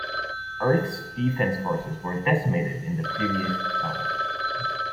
Earth's Defense Forces were decimated in the previous saga.